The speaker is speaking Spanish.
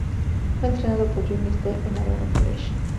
Fue entrenado por Johnny Estelle en "Navarro College".